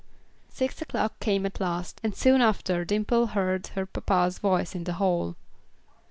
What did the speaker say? Six o'clock came at last, and soon after Dimple heard her papa's voice in the hall.